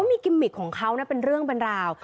มีกิมมิกของเขานะเป็นเรื่องเป็นราว